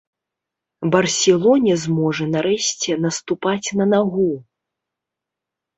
Барселоне зможа нарэшце наступаць на нагу.